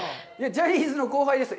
ジャニーズの後輩です。